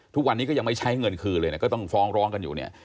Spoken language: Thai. ทุกวันนี้ก็ยังไม่ใช้เงินคืนเลยนะก็ต้องฟ้องร้องกันอยู่เนี่ย